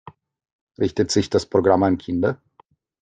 Richtet sich das Programm an Kinder?